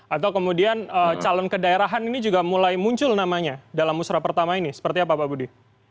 atau kemudian calon kedaerahan ini juga mulai muncul namanya dalam musrah pertama ini seperti apa pak budi